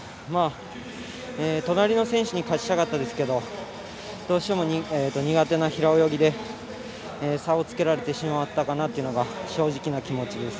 隣の選手に勝ちたかったですけどどうしても苦手な平泳ぎで差をつけられてしまったかなというのが正直な気持ちです。